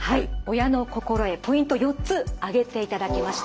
親の心得ポイント４つ挙げていただきました。